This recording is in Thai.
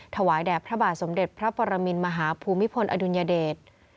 ถวายแด่พระบาทสมเด็จพระปรมินมหาภูมิพลอดุลยเดช